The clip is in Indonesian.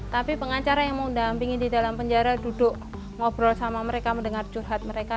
tapi pengacara yang mau mendampingi di dalam penjara duduk ngobrol sama mereka mendengar curhat mereka